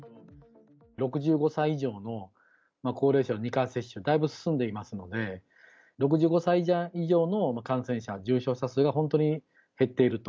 ６５歳以上の高齢者の２回接種、だいぶ進んでいますので、６５歳以上の感染者、重症者数が本当に減っていると。